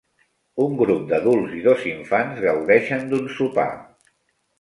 Un grup d'adults i dos infants gaudeixen d'un sopar.